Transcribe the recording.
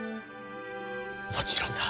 もちろんだ。